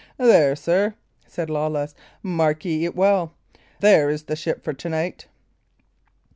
"There, sir," said Lawless, "mark ye it well! There is the ship for to night."